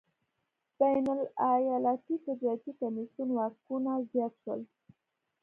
بین الایالتي تجارتي کمېسیون واکونه زیات شول.